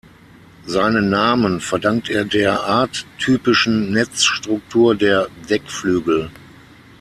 Seinen Namen verdankt er der arttypischen Netzstruktur der Deckflügel.